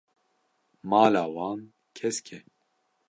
Mala wan kesk e.